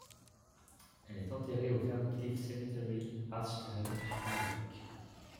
Elle est enterrée au Ferncliff Cemetery, Hartsdale, New York.